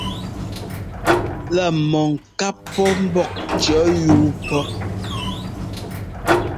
La mɔ ŋká pɔ mbɔ́k cʉ̈ yuu pɔ.